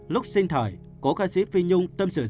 lúc sinh thời cô ca sĩ phi nhung tâm sự rằng